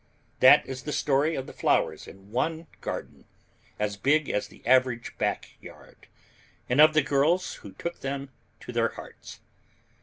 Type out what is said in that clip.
That is the story of the flowers in one garden as big as the average back yard, and of the girls who took them to their hearts.